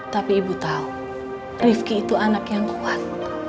tapi ibu tahu rifki itu anak yang kuat